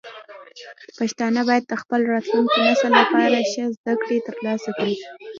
پښتانه باید د خپل راتلونکي نسل لپاره ښه زده کړې ترلاسه کړي.